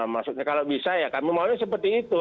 maksudnya kalau bisa ya kami maunya seperti itu